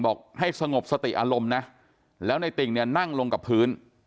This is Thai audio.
บอกให้สงบสติอารมณ์นะแล้วในติ่งเนี่ยนั่งลงกับพื้น